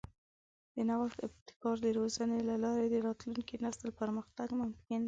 د نوښت او ابتکار د روزنې له لارې د راتلونکي نسل پرمختګ ممکن دی.